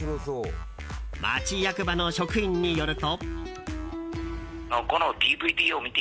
町役場の職員によると。